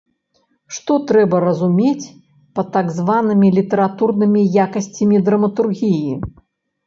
Што трэба разумець пад так званымі літаратурнымі якасцямі драматургіі?